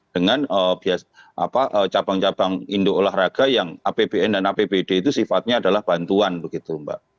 dengan cabang cabang indo olahraga yang apbn dan apbd itu sifatnya adalah bantuan begitu mbak